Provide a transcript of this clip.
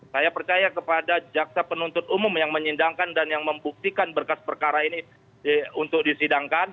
saya percaya kepada jaksa penuntut umum yang menyindangkan dan yang membuktikan berkas perkara ini untuk disidangkan